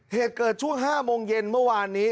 เหตุเกิดช่วง๕โมงเย็นเมื่อวานนี้